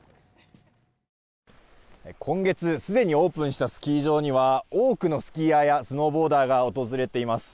今月すでにオープンしたスキー場には多くのスキーヤーやスノーボーダーが訪れています。